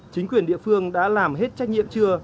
chính quyền địa phương đã làm hết trách nhiệm chưa